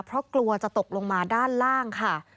เพราะกลัวจะตกลงมาด้านล่างค่ะ